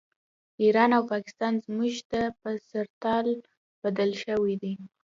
ایران او پاکستان موږ ته په سرطان بدل شوي دي